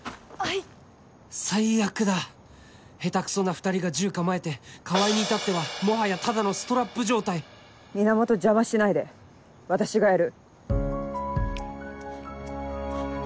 ２人が銃構えて川合に至ってはもはやただのストラップ状態源邪魔しないで私がやる。